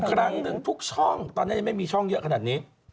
ครั้งหนึ่งทุกช่องตอนนั้นยังไม่มีช่องเยอะขนาดนี้